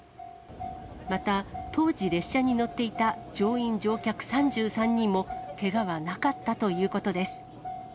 また、当時、列車に乗っていた乗員・乗客３３人も、けがはなかったということです。